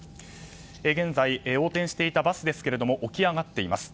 現在、横転していたバスですが起き上がっています。